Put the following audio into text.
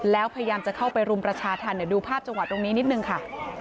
แล้วพยายามจะเข้าไปรุมประชาธรรมเดี๋ยวดูภาพจังหวัดตรงนี้นิดนึงค่ะ